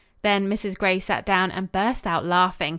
Then Mrs. Gray sat down and burst out laughing.